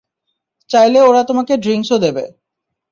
চাইলে ওরা তোমাকে ড্রিংক্সও দেবে।